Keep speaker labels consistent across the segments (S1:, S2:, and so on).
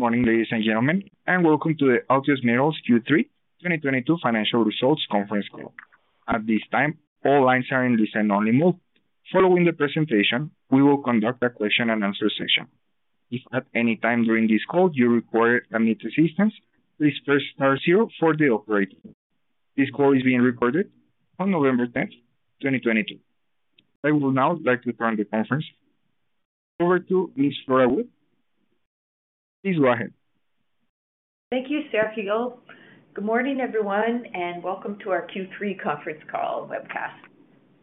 S1: Good morning, ladies and gentlemen, and welcome to the Altius Minerals Q3 2022 financial results conference call. At this time, all lines are in listen-only mode. Following the presentation, we will conduct a question-and-answer session. If at any time during this call you require any assistance, please press star zero for the operator. This call is being recorded on November 10th, 2022. I would now like to turn the conference over to Ms. Flora Wood. Please go ahead.
S2: Thank you, Sergio. Good morning, everyone, and welcome to our Q3 conference call webcast.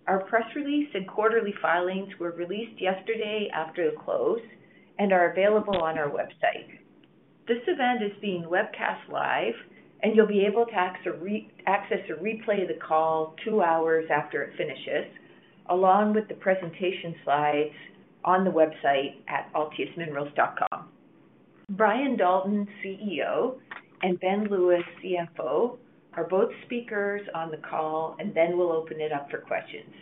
S2: Our press release and quarterly filings were released yesterday after the close and are available on our website. This event is being webcast live, and you'll be able to access a replay of the call two hours after it finishes, along with the presentation slides on the website at altiusminerals.com. Brian Dalton, CEO, and Ben Lewis, CFO, are both speakers on the call, and then we'll open it up for questions.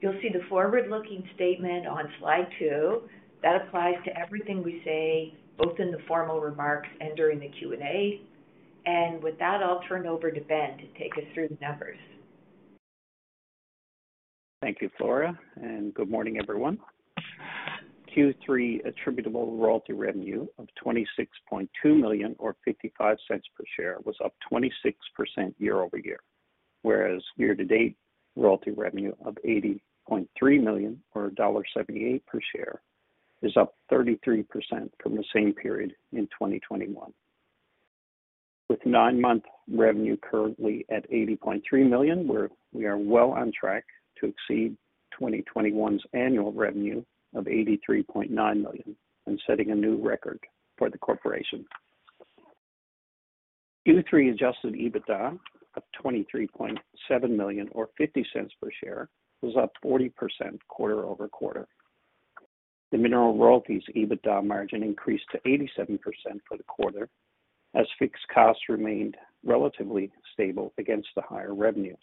S2: You'll see the forward-looking statement on slide two. That applies to everything we say, both in the formal remarks and during the Q&A. With that, I'll turn over to Ben to take us through the numbers.
S3: Thank you, Flora, and good morning, everyone. Q3 attributable royalty revenue of 26.2 million or 0.55 per share was up 26% year-over-year, whereas year-to-date royalty revenue of 80.3 million or dollar 1.78 per share is up 33% from the same period in 2021. With 9-month revenue currently at 80.3 million, we are well on track to exceed 2021's annual revenue of 83.9 million and setting a new record for the corporation. Q3 adjusted EBITDA of 23.7 million or 0.50 per share was up 40% quarter-over-quarter. The mineral royalties EBITDA margin increased to 87% for the quarter as fixed costs remained relatively stable against the higher revenues.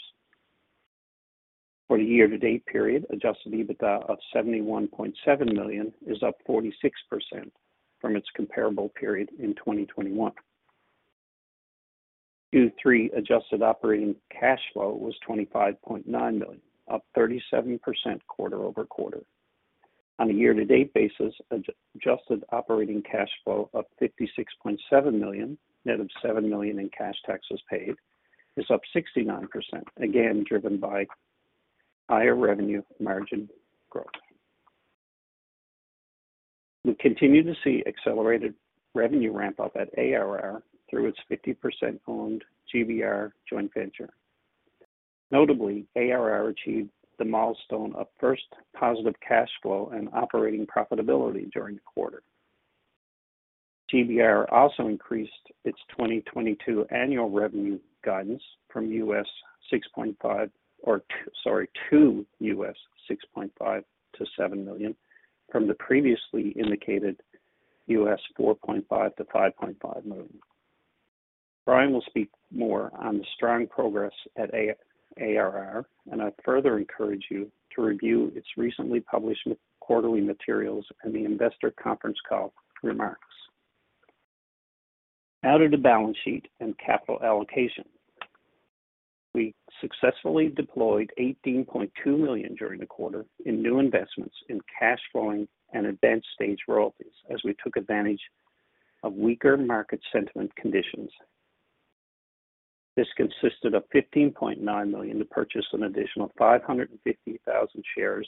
S3: For the year-to-date period, adjusted EBITDA of 71.7 million is up 46% from its comparable period in 2021. Q3 adjusted operating cash flow was 25.9 million, up 37% quarter-over-quarter. On a year-to-date basis, adjusted operating cash flow of 56.7 million, net of 7 million in cash taxes paid, is up 69%, again, driven by higher revenue margin growth. We continue to see accelerated revenue ramp-up at ARR through its 50% owned GBR joint venture. Notably, ARR achieved the milestone of first positive cash flow and operating profitability during the quarter. GBR also increased its 2022 annual revenue guidance from $6.5-$7 million from the previously indicated $4.5-$5.5 million. Brian will speak more on the strong progress at ARR, and I further encourage you to review its recently published quarterly materials and the investor conference call remarks. Now to the balance sheet and capital allocation. We successfully deployed 18.2 million during the quarter in new investments in cash flowing and advanced stage royalties as we took advantage of weaker market sentiment conditions. This consisted of 15.9 million to purchase an additional 550,000 shares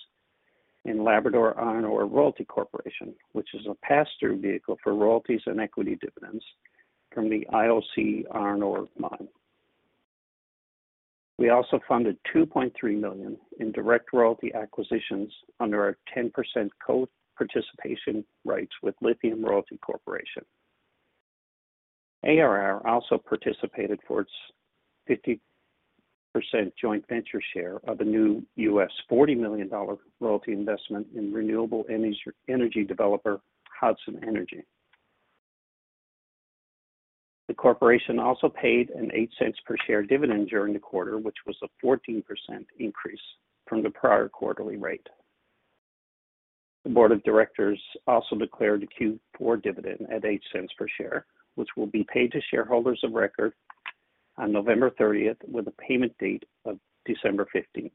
S3: in Labrador Iron Ore Royalty Corporation, which is a pass-through vehicle for royalties and equity dividends from the IOC iron ore mine. We also funded 2.3 million in direct royalty acquisitions under our 10% co-participation rights with Lithium Royalty Corp. ARR also participated for its 50% joint venture share of a new $40 million royalty investment in renewable energy developer Hudson Energy. The corporation also paid an 0.08 per share dividend during the quarter, which was a 14% increase from the prior quarterly rate. The board of directors also declared a Q4 dividend at 0.08 per share, which will be paid to shareholders of record on November thirtieth with a payment date of December fifteenth.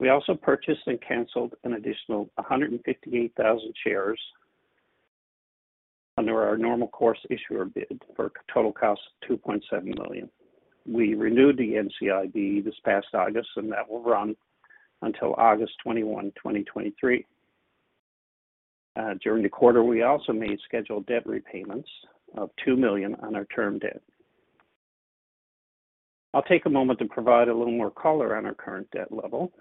S3: We also purchased and canceled an additional hundred and 58,000 shares under our normal course issuer bid for total cost of 2.7 million. We renewed the NCIB this past August, and that will run until August 21, 2023. During the quarter, we also made scheduled debt repayments of 2 million on our term debt. I'll take a moment to provide a little more color on our current debt level,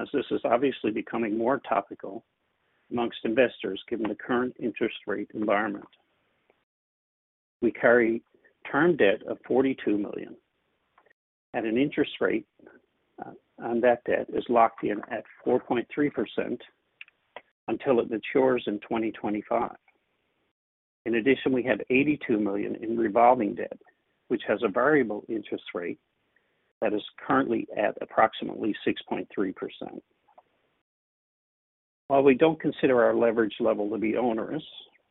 S3: as this is obviously becoming more topical amongst investors given the current interest rate environment. We carry term debt of 42 million at an interest rate on that debt is locked in at 4.3% until it matures in 2025. In addition, we have 82 million in revolving debt, which has a variable interest rate that is currently at approximately 6.3%. While we don't consider our leverage level to be onerous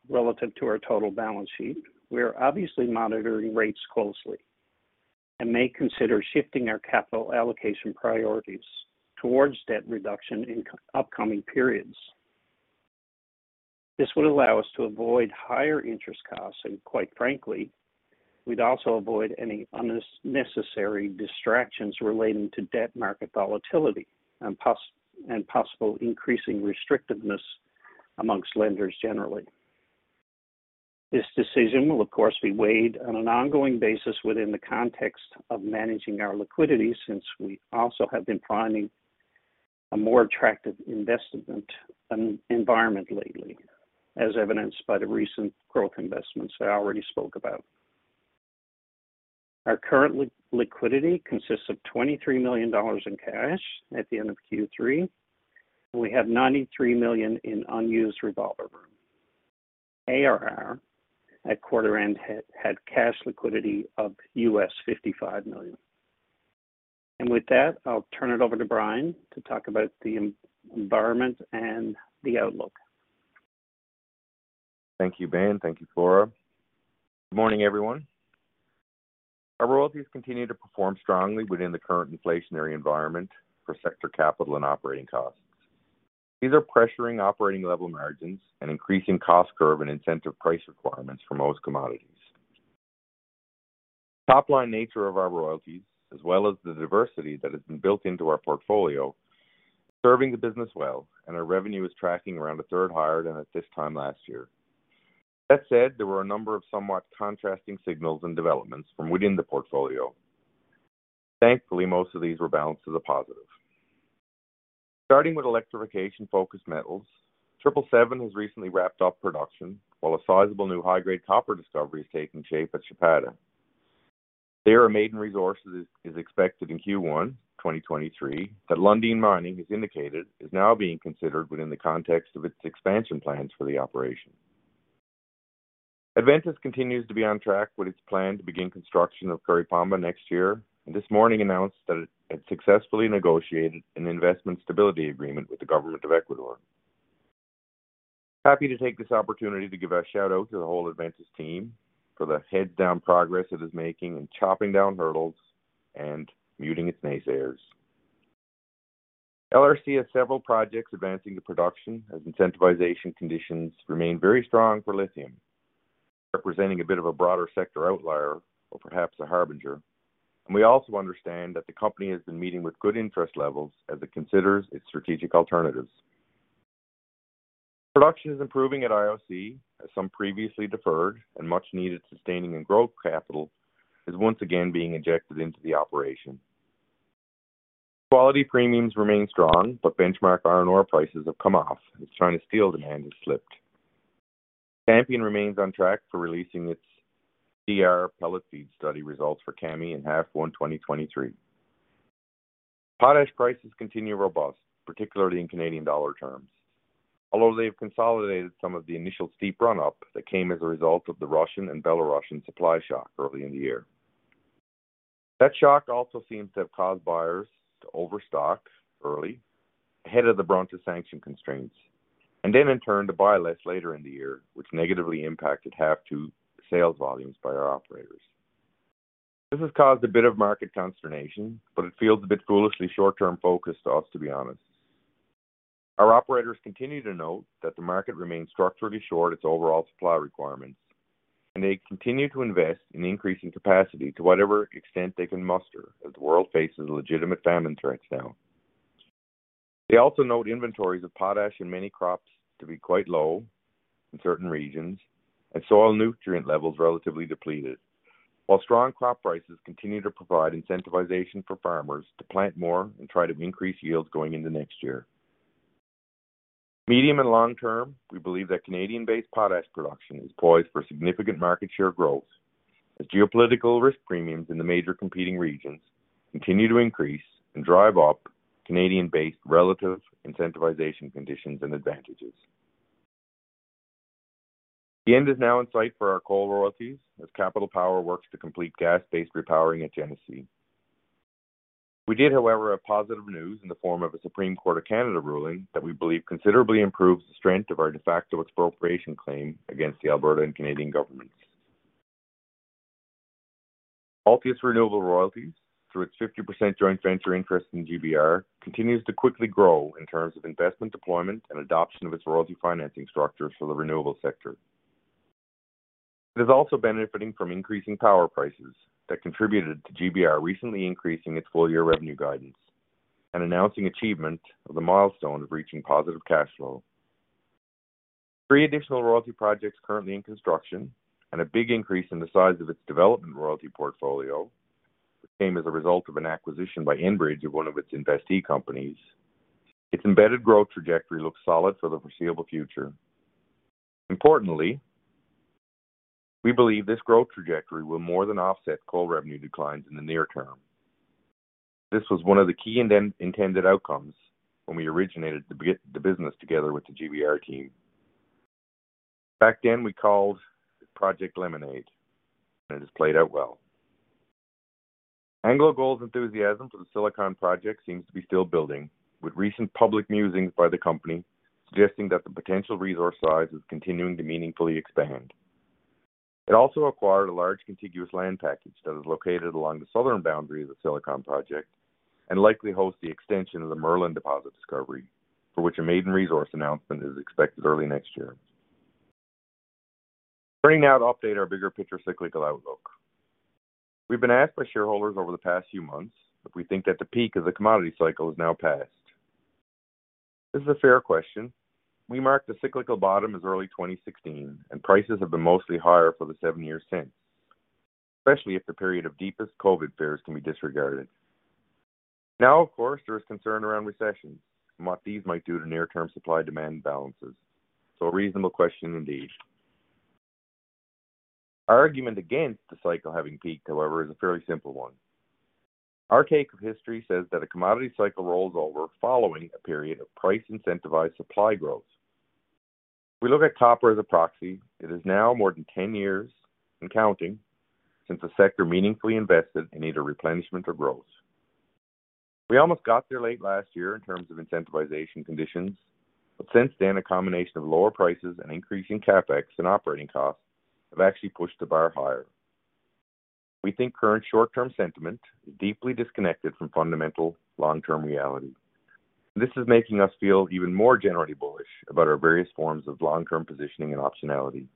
S3: relative to our total balance sheet, we are obviously monitoring rates closely and may consider shifting our capital allocation priorities towards debt reduction in upcoming periods. This would allow us to avoid higher interest costs, and quite frankly, we'd also avoid any unnecessary distractions relating to debt market volatility and possible increasing restrictiveness amongst lenders generally. This decision will, of course, be weighed on an ongoing basis within the context of managing our liquidity, since we also have been finding a more attractive investment environment lately, as evidenced by the recent growth investments I already spoke about. Our current liquidity consists of 23 million dollars in cash at the end of Q3, and we have 93 million in unused revolver. ARR at quarter end had cash liquidity of $55 million. With that, I'll turn it over to Brian to talk about the environment and the outlook.
S4: Thank you, Ben. Thank you, Flora. Good morning, everyone. Our royalties continue to perform strongly within the current inflationary environment for sector capital and operating costs. These are pressuring operating level margins and increasing cost curve and incentive price requirements for most commodities. Top line nature of our royalties, as well as the diversity that has been built into our portfolio, is serving the business well, and our revenue is tracking around a third higher than at this time last year. That said, there were a number of somewhat contrasting signals and developments from within the portfolio. Thankfully, most of these were balanced to the positive. Starting with electrification-focused metals, 777 has recently wrapped up production, while a sizable new high-grade copper discovery is taking shape at Chapada. There, a maiden resource is expected in Q1 2023 that Lundin Mining has indicated is now being considered within the context of its expansion plans for the operation. Adventus continues to be on track with its plan to begin construction of Curipamba next year, and this morning announced that it had successfully negotiated an investment stability agreement with the Government of Ecuador. Happy to take this opportunity to give a shout-out to the whole Adventus team for the heads-down progress it is making in chopping down hurdles and muting its naysayers. LRC has several projects advancing to production as incentivization conditions remain very strong for lithium, representing a bit of a broader sector outlier or perhaps a harbinger. We also understand that the company has been meeting with good interest levels as it considers its strategic alternatives. Production is improving at IOC as some previously deferred and much-needed sustaining and growth capital is once again being injected into the operation. Quality premiums remain strong, but benchmark iron ore prices have come off as China's steel demand has slipped. Champion remains on track for releasing its DR pellet feed study results for Kami in half one 2023. Potash prices continue robust, particularly in Canadian dollar terms, although they have consolidated some of the initial steep run-up that came as a result of the Russian and Belarusian supply shock early in the year. That shock also seems to have caused buyers to overstock early ahead of the Belarus sanction constraints, and then in turn to buy less later in the year, which negatively impacted half two sales volumes by our operators. This has caused a bit of market consternation, but it feels a bit foolishly short-term focused to us, to be honest. Our operators continue to note that the market remains structurally short its overall supply requirements, and they continue to invest in increasing capacity to whatever extent they can muster as the world faces legitimate famine threats now. They also note inventories of potash in many crops to be quite low in certain regions and soil nutrient levels relatively depleted. While strong crop prices continue to provide incentivization for farmers to plant more and try to increase yields going into next year. Medium and long term, we believe that Canadian-based potash production is poised for significant market share growth as geopolitical risk premiums in the major competing regions continue to increase and drive up Canadian-based relative incentivization conditions and advantages. The end is now in sight for our coal royalties as Capital Power works to complete gas-based repowering at Genesee. We did, however, have positive news in the form of a Supreme Court of Canada ruling that we believe considerably improves the strength of our de facto expropriation claim against the Alberta and Canadian governments. Altius Renewable Royalties, through its 50% joint venture interest in GBR, continues to quickly grow in terms of investment deployment and adoption of its royalty financing structures for the renewable sector. It is also benefiting from increasing power prices that contributed to GBR recently increasing its full-year revenue guidance and announcing achievement of the milestone of reaching positive cash flow. Three additional royalty projects currently in construction and a big increase in the size of its development royalty portfolio came as a result of an acquisition by Enbridge of one of its investee companies. Its embedded growth trajectory looks solid for the foreseeable future. Importantly, we believe this growth trajectory will more than offset coal revenue declines in the near term. This was one of the key intended outcomes when we originated the business together with the GBR team. Back then, we called it Project Lemonade, and it has played out well. AngloGold Ashanti's enthusiasm for the Silicon project seems to be still building, with recent public musings by the company suggesting that the potential resource size is continuing to meaningfully expand. It also acquired a large contiguous land package that is located along the southern boundary of the Silicon project, and likely hosts the extension of the Merlin deposit discovery, for which a maiden resource announcement is expected early next year. Turning now to update our bigger picture cyclical outlook. We've been asked by shareholders over the past few months if we think that the peak of the commodity cycle has now passed. This is a fair question. We marked the cyclical bottom as early 2016, and prices have been mostly higher for the seven years since, especially if the period of deepest COVID fears can be disregarded. Now, of course, there is concern around recessions and what these might do to near-term supply-demand balances. A reasonable question indeed. Our argument against the cycle having peaked, however, is a fairly simple one. Our take of history says that a commodity cycle rolls over following a period of price-incentivized supply growth. If we look at copper as a proxy, it is now more than 10 years and counting since the sector meaningfully invested in either replenishment or growth. We almost got there late last year in terms of incentivization conditions, but since then, a combination of lower prices and increasing CapEx and operating costs have actually pushed the bar higher. We think current short-term sentiment is deeply disconnected from fundamental long-term reality. This is making us feel even more generally bullish about our various forms of long-term positioning and optionality.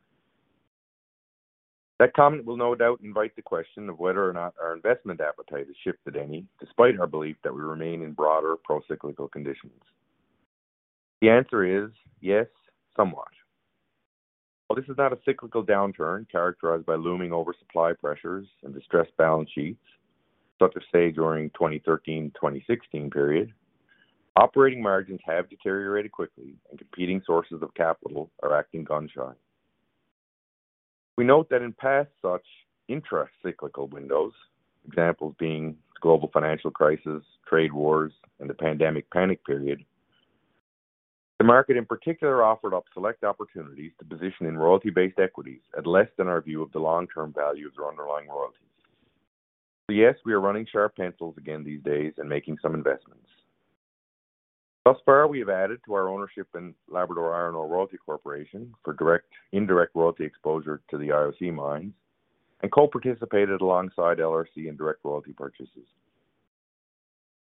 S4: That comment will no doubt invite the question of whether or not our investment appetite has shifted any, despite our belief that we remain in broader pro-cyclical conditions. The answer is yes, somewhat. While this is not a cyclical downturn characterized by looming oversupply pressures and distressed balance sheets, such as, say, during 2013-2016 period, operating margins have deteriorated quickly and competing sources of capital are acting gun-shy. We note that in past such intra-cyclical windows, examples being global financial crisis, trade wars, and the pandemic panic period, the market, in particular, offered up select opportunities to position in royalty-based equities at less than our view of the long-term value of their underlying royalties. Yes, we are running sharp pencils again these days and making some investments. Thus far, we have added to our ownership in Labrador Iron Ore Royalty Corporation for direct indirect royalty exposure to the IOC mines and co-participated alongside LRC in direct royalty purchases.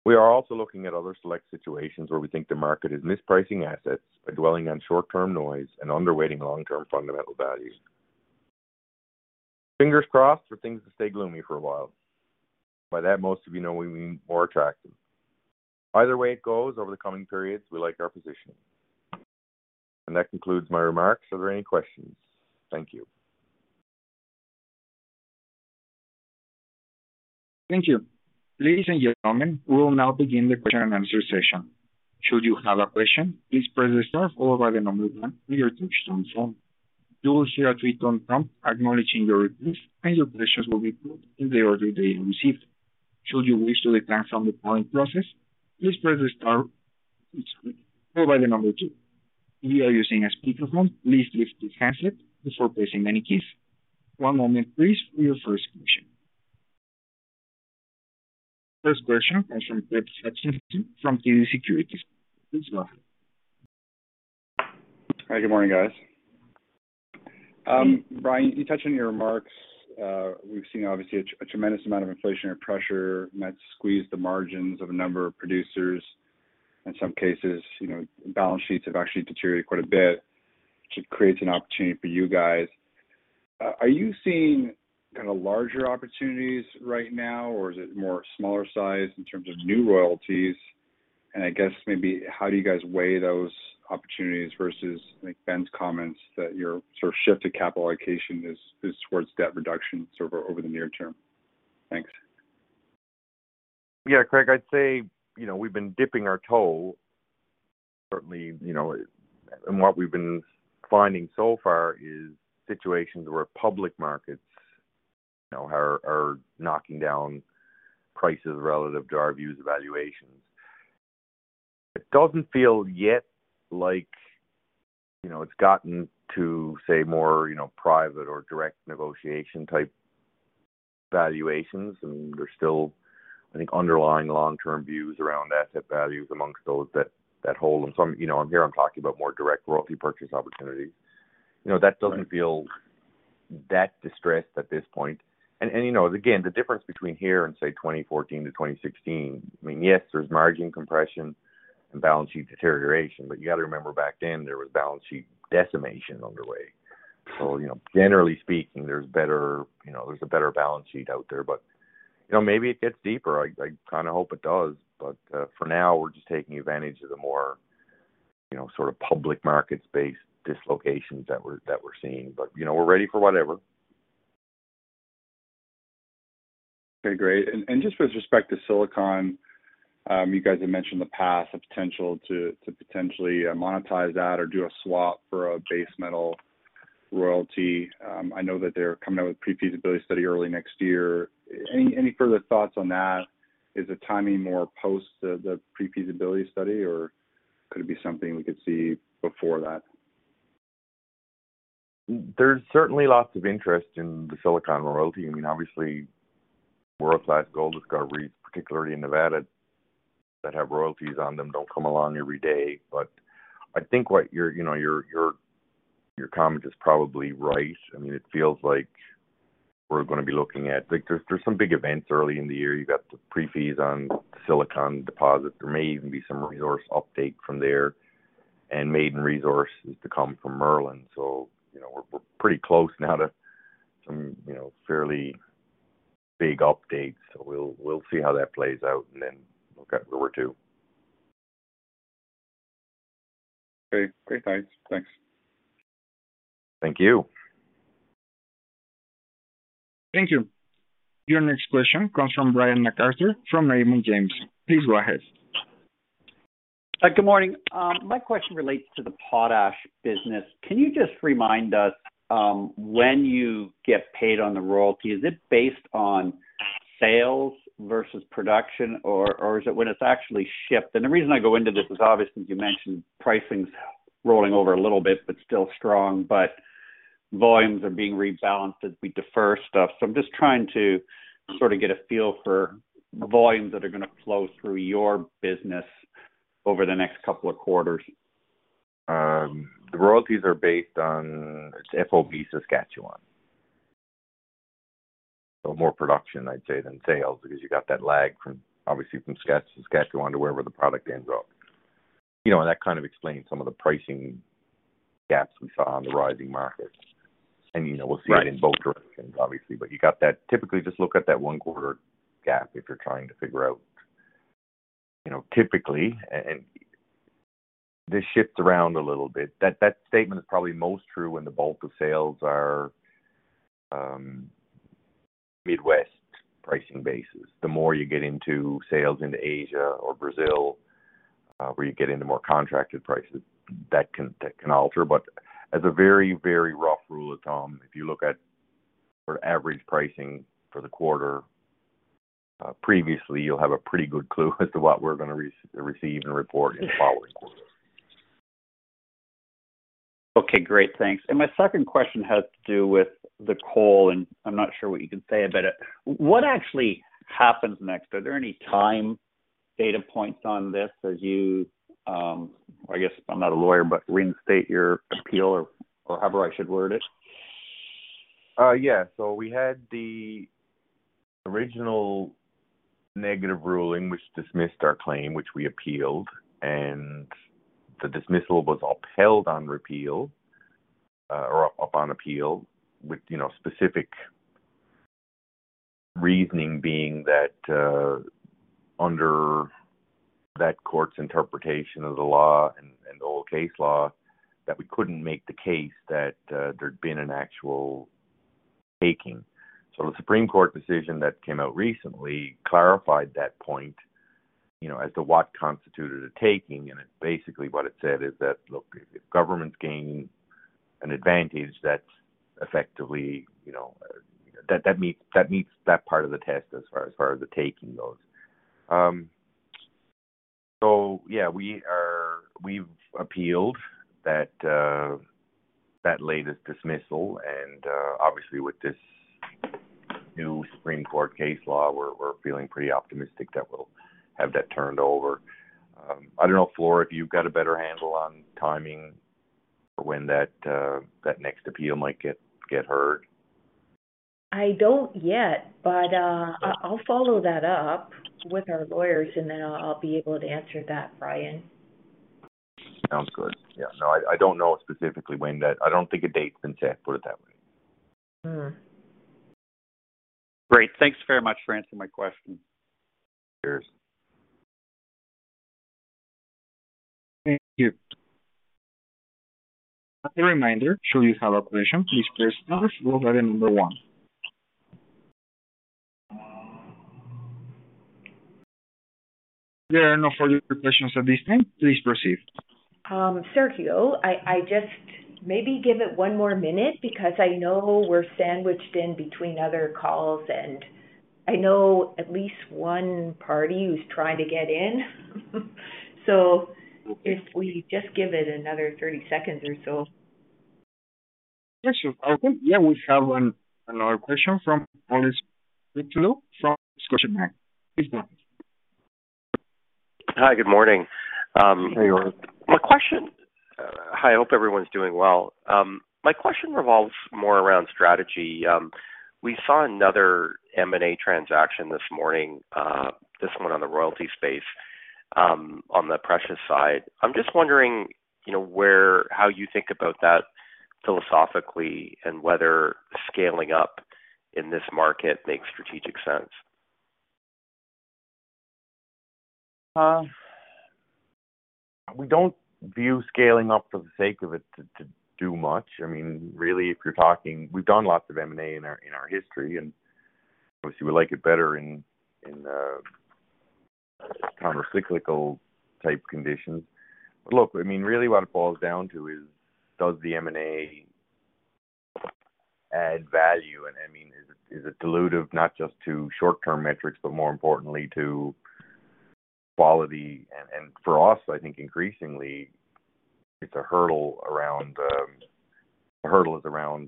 S4: We are also looking at other select situations where we think the market is mispricing assets by dwelling on short-term noise and underweighting long-term fundamental value. Fingers crossed for things to stay gloomy for a while. By that, most of you know we mean more attractive. Either way it goes over the coming periods, we like our positioning. That concludes my remarks. Are there any questions? Thank you.
S1: Thank you. Ladies and gentlemen, we will now begin the question and answer session. Should you have a question, please press star followed by the number one from your touch-tone phone. You will see a three-tone prompt acknowledging your request, and your questions will be put in the order they are received. Should you wish to withdraw from the polling process, please press the star followed by the number two. If you are using a speakerphone, please lift the handset before pressing any keys. One moment please for your first question. First question comes from Craig Hutchison from TD Securities. Please go ahead.
S5: Hi, good morning, guys. Brian, you touched on your remarks, we've seen obviously a tremendous amount of inflationary pressure, and that's squeezed the margins of a number of producers. In some cases, you know, balance sheets have actually deteriorated quite a bit, which creates an opportunity for you guys. Are you seeing kinda larger opportunities right now, or is it more smaller size in terms of new royalties? And I guess maybe how do you guys weigh those opportunities versus, I think, Ben's comments that your sort of shift to capital allocation is towards debt reduction sort of over the near term? Thanks.
S4: Yeah, Craig, I'd say, you know, we've been dipping our toe. Certainly, you know, and what we've been finding so far is situations where public markets, you know, are knocking down prices relative to our views of valuations. It doesn't feel yet like, you know, it's gotten to say more, you know, private or direct negotiation type valuations, and there's still, I think, underlying long-term views around asset values amongst those that hold. Some, you know, and here I'm talking about more direct royalty purchase opportunities. You know, that doesn't feel that distressed at this point. You know, again, the difference between here and say 2014-2016, I mean, yes, there's margin compression and balance sheet deterioration, but you got to remember back then there was balance sheet decimation underway. You know, generally speaking, there's a better balance sheet out there. You know, maybe it gets deeper. I kinda hope it does, but for now, we're just taking advantage of the more, you know, sort of public markets-based dislocations that we're seeing. You know, we're ready for whatever.
S5: Okay, great. Just with respect to Silicon, you guys have mentioned in the past the potential to potentially monetize that or do a swap for a base metal royalty. I know that they're coming out with pre-feasibility study early next year. Any further thoughts on that? Is the timing more post the pre-feasibility study, or could it be something we could see before that?
S4: There's certainly lots of interest in the Silicon royalty. I mean, obviously, world-class gold discoveries, particularly in Nevada, that have royalties on them, don't come along every day. I think what you're, you know, your comment is probably right. I mean, it feels like we're gonna be looking at like there's some big events early in the year. You got the PFS on the Silicon deposit. There may even be some resource update from there and maiden resources to come from Merlin. You know, we're pretty close now to some, you know, fairly big updates. We'll see how that plays out and then look at where we're at.
S5: Okay. Great, guys. Thanks.
S4: Thank you.
S1: Thank you. Your next question comes from Brian MacArthur from Raymond James. Please go ahead.
S6: Good morning. My question relates to the potash business. Can you just remind us, when you get paid on the royalty, is it based on sales versus production or is it when it's actually shipped? The reason I go into this is obviously, as you mentioned, pricing's rolling over a little bit but still strong, but volumes are being rebalanced as we defer stuff. I'm just trying to sort of get a feel for the volumes that are gonna flow through your business over the next couple of quarters.
S4: The royalties are based on FOB Saskatchewan. More production, I'd say, than sales, because you got that lag from, obviously, from Saskatchewan to wherever the product ends up. You know, that kind of explains some of the pricing gaps we saw on the rising market. You know, we'll see it in both directions, obviously. You got that. Typically, just look at that one quarter gap if you're trying to figure out, you know, typically, and this shifts around a little bit. That statement is probably most true when the bulk of sales are, Midwest pricing basis. The more you get into sales into Asia or Brazil, where you get into more contracted prices, that can alter. As a very, very rough rule of thumb, if you look at our average pricing for the quarter, previously, you'll have a pretty good clue as to what we're gonna receive and report in the following quarter.
S6: Okay, great. Thanks. My second question has to do with the coal, and I'm not sure what you can say about it. What actually happens next? Are there any time data points on this as you, I guess I'm not a lawyer, but reinstate your appeal or however I should word it?
S4: Yeah. We had the original negative ruling, which dismissed our claim, which we appealed, and the dismissal was upheld on appeal with, you know, specific reasoning being that, under that court's interpretation of the law and the old case law, that we couldn't make the case that there'd been an actual taking. The Supreme Court of Canada decision that came out recently clarified that point, you know, as to what constituted a taking. It basically, what it said is that, look, if government's gaining an advantage that's effectively, you know, that meets that part of the test as far as the taking goes. We've appealed that latest dismissal. Obviously with this new Supreme Court case law, we're feeling pretty optimistic that we'll have that turned over. I don't know, Flora, if you've got a better handle on timing for when that next appeal might get heard.
S2: I don't yet, but I'll follow that up with our lawyers, and then I'll be able to answer that, Brian.
S4: Sounds good. Yeah. No, I don't know specifically when that. I don't think a date's been set, put it that way.
S2: Mm-hmm.
S6: Great. Thanks very much for answering my question.
S4: Cheers.
S1: Thank you. As a reminder, should you have a question, please press star followed by the number one. There are no further questions at this time. Please proceed.
S2: Sergio, I just maybe give it one more minute because I know we're sandwiched in between other calls, and I know at least one party who's trying to get in. If we just give it another 30 seconds or so.
S1: Yes, sure. Okay. Yeah, we have another question from Paul Scurfield from Scotiabank. Please go ahead.
S7: Hi, good morning.
S4: Hey, Paul.
S7: Hi, hope everyone's doing well. My question revolves more around strategy. We saw another M&A transaction this morning, this one on the royalty space, on the precious side. I'm just wondering, you know, how you think about that philosophically and whether scaling up in this market makes strategic sense.
S4: We don't view scaling up for the sake of it to do much. I mean, really, if you're talking. We've done lots of M&A in our history, and obviously, we like it better in countercyclical type conditions. Look, I mean, really what it falls down to is, does the M&A add value? I mean, is it dilutive, not just to short-term metrics, but more importantly to quality. For us, I think increasingly it's a hurdle around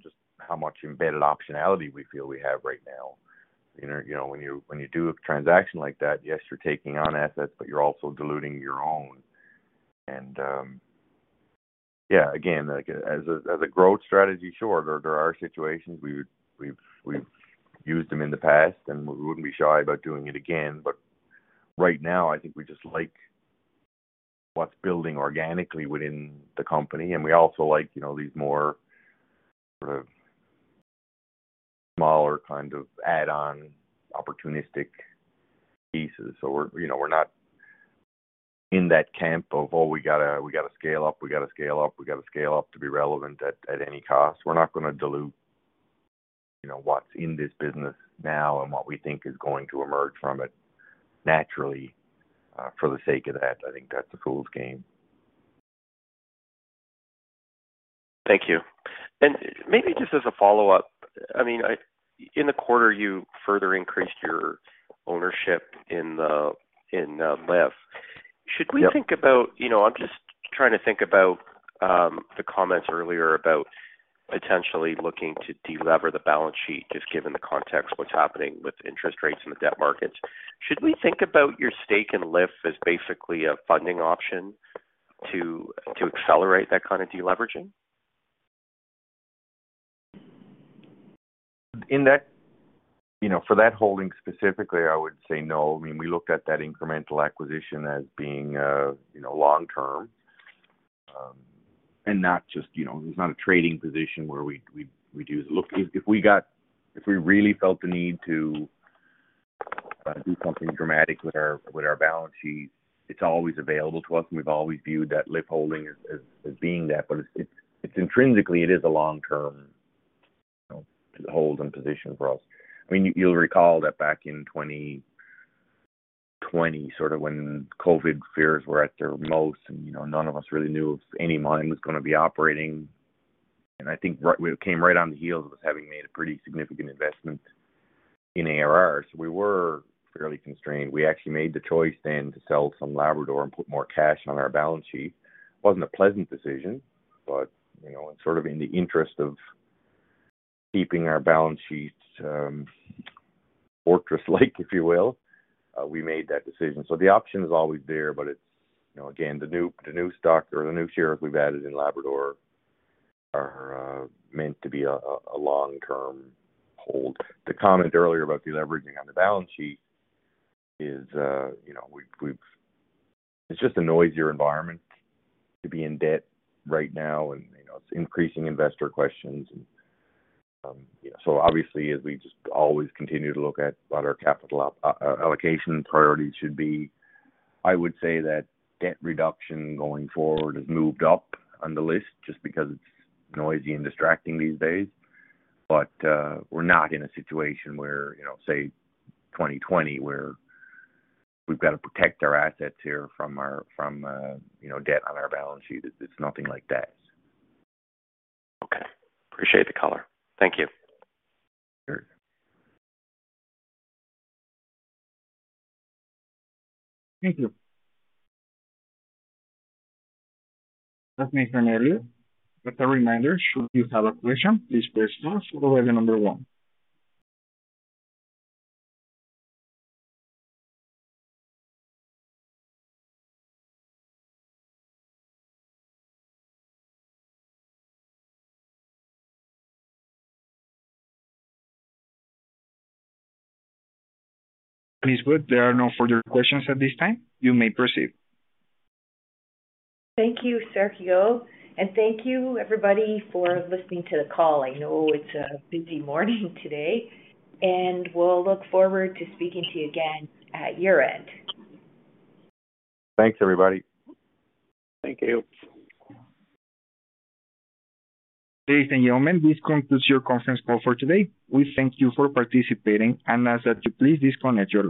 S4: just how much embedded optionality we feel we have right now. You know, when you do a transaction like that, yes, you're taking on assets, but you're also diluting your own. Yeah, again, like, as a growth strategy, sure, there are situations we've used them in the past, and we wouldn't be shy about doing it again. Right now, I think we just like what's building organically within the company. We also like, you know, these more sort of smaller kind of add-on opportunistic pieces. We're, you know, not in that camp of, oh, we gotta scale up to be relevant at any cost. We're not gonna dilute, you know, what's in this business now and what we think is going to emerge from it naturally, for the sake of that. I think that's a fool's game.
S7: Thank you. Maybe just as a follow-up, I mean, in the quarter, you further increased your ownership in Labrador Iron Ore Royalty Corporation.
S4: Yep.
S7: Should we think about you know, I'm just trying to think about, the comments earlier about potentially looking to delever the balance sheet, just given the context of what's happening with interest rates in the debt markets. Should we think about your stake in LIF as basically a funding option to accelerate that kind of deleveraging?
S4: You know, for that holding specifically, I would say no. I mean, we looked at that incremental acquisition as being, you know, long-term, and not just, you know, it's not a trading position where we'd use. Look, if we really felt the need to do something dramatic with our balance sheet, it's always available to us, and we've always viewed that LIF holding as being that. But it's intrinsically it is a long-term, you know, hold and position for us. I mean, you'll recall that back in 2020, sort of when COVID fears were at their most and, you know, none of us really knew if any mine was gonna be operating. I think we came right on the heels of us having made a pretty significant investment in ARR. We were fairly constrained. We actually made the choice then to sell some Labrador and put more cash on our balance sheet. It wasn't a pleasant decision, but, you know, it's sort of in the interest of keeping our balance sheets, fortress-like, if you will. We made that decision. The option is always there, but it's, you know, again, the new stock or the new shares we've added in Labrador are, meant to be a long-term hold. The comment earlier about deleveraging on the balance sheet is, you know, we've. It's just a noisier environment to be in debt right now and, you know, it's increasing investor questions. Obviously, as we just always continue to look at what our capital allocation priorities should be, I would say that debt reduction going forward has moved up on the list just because it's noisy and distracting these days. We're not in a situation where, you know, say, 2020, where we've got to protect our assets here from our debt on our balance sheet. It's nothing like that.
S7: Okay. Appreciate the color. Thank you.
S4: Sure.
S1: Thank you. That makes an area. A reminder, should you have a question, please press star followed by the number one. That is good. There are no further questions at this time. You may proceed.
S2: Thank you, Sergio, and thank you everybody for listening to the call. I know it's a busy morning today, and we'll look forward to speaking to you again at your end.
S4: Thanks, everybody.
S3: Thank you.
S1: Ladies and gentlemen, this concludes your conference call for today. We thank you for participating and ask that you please disconnect your lines.